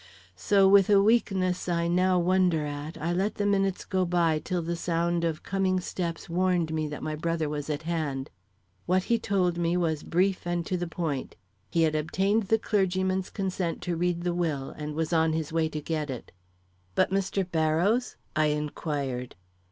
So with a weakness I now wonder at, I let the minutes go by till the sound of coming steps warned me that my brother was at hand. What he told me was brief and to the point He had obtained the clergyman's consent to read the will and was on his way to get it. "But, Mr. Barrows?" I inquired.